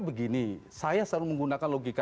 begini saya selalu menggunakan logika